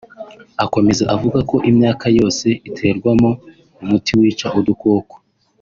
Akomeza avuga ko imyaka yose iterwamo umuti wica udukuko